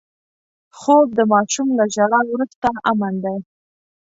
خوب د ماشوم له ژړا وروسته امن دی